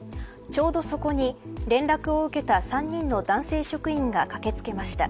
ちょうどそこに連絡を受けた３人の男性職員が駆けつけました。